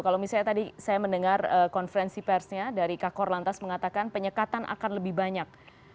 kalau misalnya tadi saya mendengar konferensi persnya dari kakor lantas mengatakan penyekatan akan lebih banyak